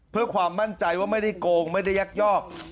เพื่อความมั่นใจว่าไม่ได้โกงไม่ได้ยักยอก